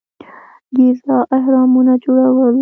ګیزا اهرامونه جوړول.